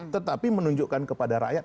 tetapi menunjukkan kepada rakyat